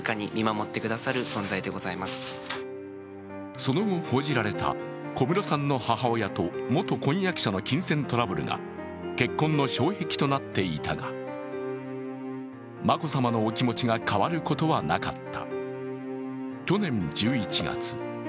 その後報じられた小室さんの母親と元婚約者の金銭トラブルが結婚の障壁となっていたが、眞子さまのお気持ちが変わることはなかった。